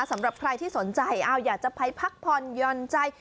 สำหรับใครที่สนใจอยากจะไปพักผ่อนหย่อนใจ